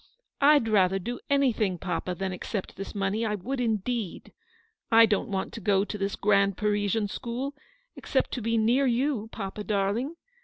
I'd rather do anything, papa, than accept this money, — I would indeed. I don't want to go to this grand Parisian school, except to be near you, papa, darling.